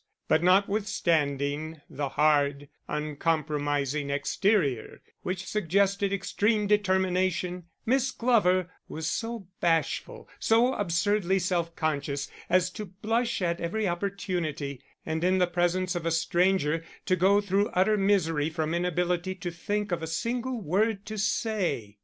But notwithstanding the hard, uncompromising exterior which suggested extreme determination, Miss Glover was so bashful, so absurdly self conscious, as to blush at every opportunity; and in the presence of a stranger to go through utter misery from inability to think of a single word to say.